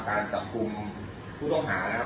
การจับกลุ่มผู้ต้องหานะครับ